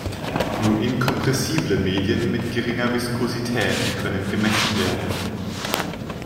Nur inkompressible Medien mit geringer Viskosität können gemessen werden.